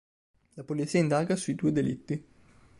La polizia indaga sui due delitti.